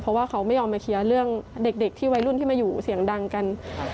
เพราะว่าเขาไม่ยอมมาเคลียร์เรื่องเด็กที่วัยรุ่นที่มาอยู่เสียงดังกัน